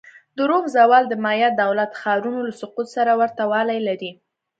د روم زوال د مایا دولت ښارونو له سقوط سره ورته والی لري.